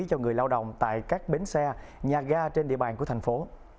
cho người lao động tại các bến xe nhà ga trên địa bàn của thành phố